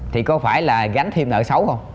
thì có phải là gánh thêm nợ xấu không